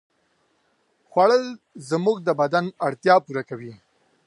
خوړل زموږ د بدن اړتیا پوره کوي